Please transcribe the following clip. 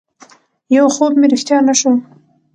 يو خوب مې رښتيا نه شو